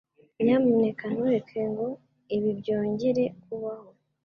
Nyamuneka ntureke ngo ibi byongere kubaho.